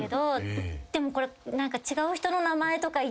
でもこれ。